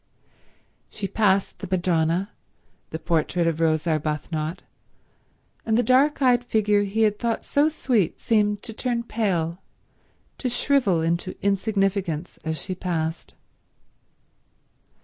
She passed the Madonna, the portrait of Rose Arbuthnot, and the dark eyed figure he had thought so sweet seemed to turn pale, to shrivel into insignificance as she passed.